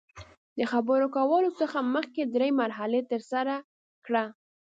د خبرو کولو څخه مخکې درې مرحلې ترسره کړه.